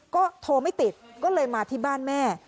ก็โทรไม่ติดก็เลยมาที่บ้านแม่